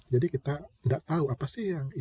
jadi kita tidak tahu apa sih yang terjadi